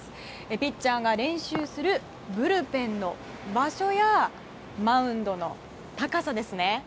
ピッチャーが練習するブルペンの場所やマウンドの高さですね。